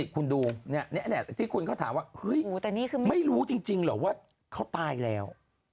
คุณดูนี่แหละที่คุณเขาถามว่าไม่ได้รู้จริงเหรอว่าเขาตายแล้ว